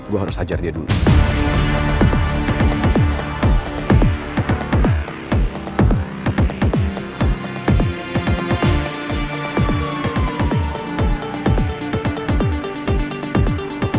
gue harus hajar dia dulu